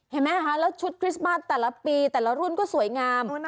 เห็นไหมคะแล้วชุดคริสต์มาสแต่ละปีแต่ละรุ่นก็สวยงาม